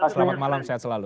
selamat malam sehat selalu